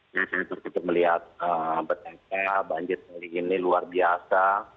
saya cukup cukup melihat betapa banjir ini luar biasa